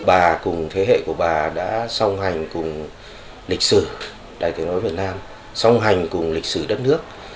bà cùng thế hệ của bà đã song hành cùng lịch sử đài tiếng nói việt nam song hành cùng lịch sử đất nước